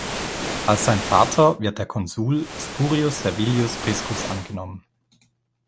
Als sein Vater wird der Konsul Spurius Servilius Priscus angenommen.